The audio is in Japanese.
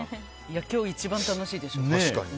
今日一番、楽しいでしょう。